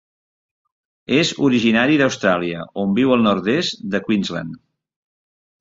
És originari d'Austràlia, on viu al nord-est de Queensland.